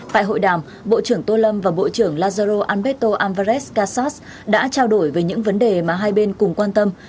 tại hội đàm bộ trưởng tô lâm và bộ trưởng lazaro alberto álvarez casas đã trao đổi về những vấn đề mà hai bên cùng quan tâm